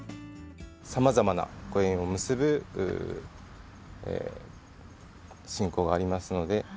さまざまなご縁を結ぶ信仰がありますので。